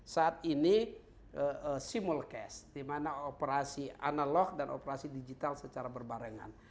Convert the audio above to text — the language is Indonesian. saat ini simul cash di mana operasi analog dan operasi digital secara berbarengan